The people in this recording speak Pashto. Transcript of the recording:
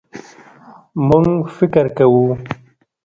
مونږ فکر کوو